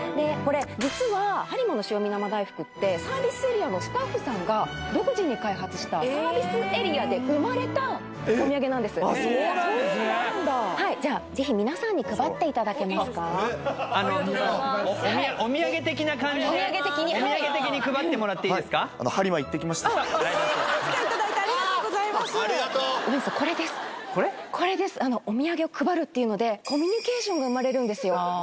実ははりまの塩味生大福ってサービスエリアのスタッフさんが独自に開発したサービスエリアで生まれたお土産なんですあっそうなんですねじゃあぜひありがとうございますお土産的に配ってもらっていいですかえいいんですかいただいてありがとうございますありがとうこれ？お土産を配るっていうのでコミュニケーションが生まれるんですよ